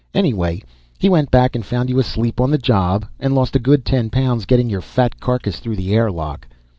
Anyway, he went back and found you asleep on the job, and lost a good ten pounds getting your fat carcass through the air lock."